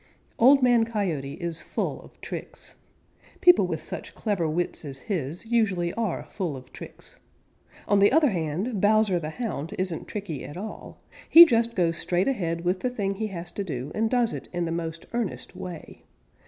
_ Old Man Coyote is full of tricks. People with such clever wits as his usually are full of tricks. On the other hand Bowser the Hound isn't tricky at all. He just goes straight ahead with the thing he has to do and does it in the most earnest way.